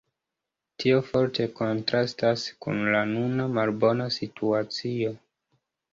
Tio forte kontrastas kun la nuna malbona situacio.